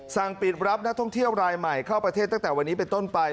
สั่งปิดรับนักท่องเที่ยวรายใหม่เข้าประเทศตั้งแต่วันนี้เป็นต้นไป